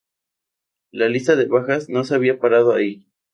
La lista de bajas no se había parado ahí.